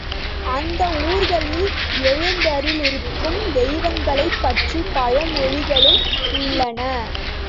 அந்த ஊர்களில் எழுந்தருளியிருக்கும் தெய்வங்களைப் பற்றிய பழமொழிகளும் உள்ளன.